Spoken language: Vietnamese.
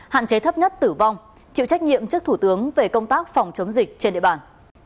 hạn chế thấp nhất tử vong chịu trách nhiệm trước thủ tướng về công tác phòng chống dịch trên địa bàn